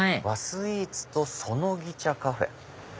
「和スイーツとそのぎ茶カフェ」。